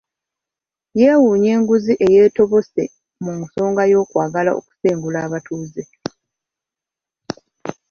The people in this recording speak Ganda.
Yeewuunya enguzi eyeetobese mu nsonga y'okwagala okusengula abatuuze